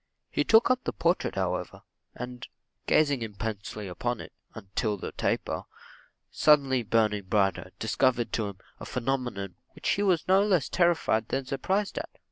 He took up the portrait, however, and gazing intensely upon it, till the taper, suddenly burning brighter, discovered to him a phenomenon he was not less terrified than surprised at.